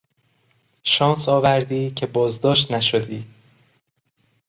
شانس آوردی که بازداشت نشدی.